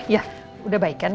ya udah baik kan